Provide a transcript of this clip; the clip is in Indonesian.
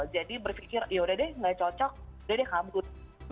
jadi berpikir yaudah deh enggak cocok udah deh kabur